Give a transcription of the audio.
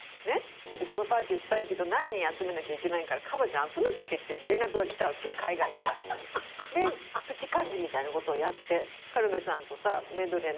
そのパーティーをしたいけど何人集めなきゃいけないからカバちゃん集めとけって連絡が来たわけ海外から。でプチ幹事みたいなことやって軽部さんとさメドレーなんかしたじゃない。